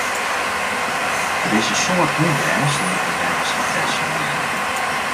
Der is in soad ûnrêst ûnder bewenners en personiel.